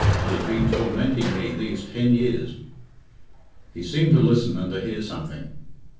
It has been tormenting me these ten years." He seemed to listen and to hear something.